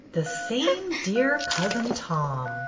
" The same dear Cousin Tom.